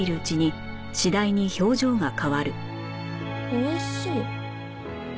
おいしい！